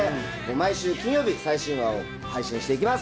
毎週金曜日、最新話を配信していきます。